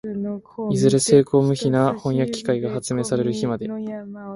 いずれ精巧無比な飜訳機械が発明される日まで、